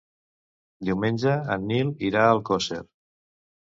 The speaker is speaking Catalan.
Diumenge en Nil irà a Alcosser.